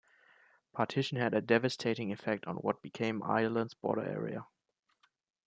Partition had a devastating effect on what became Ireland's border area.